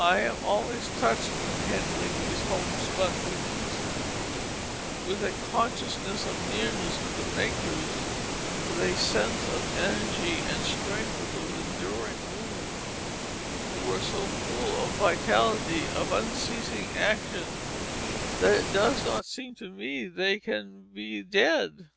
I am always touched when handling these homespun linens with a consciousness of nearness to the makers; with a sense of the energy and strength of those enduring women who were so full of vitality, of unceasing action, that it does not seem to me they can be dead.